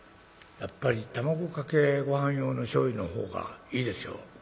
やっぱり卵かけごはん用のしょうゆの方がいいですよ」。